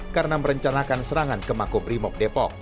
karena merencanakan serangan ke makobrimob